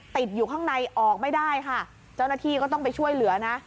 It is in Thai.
ติดอยู่ข้างในออกไม่ได้ค่ะเจ้าหน้าที่ก็ต้องไปช่วยเหลือนะ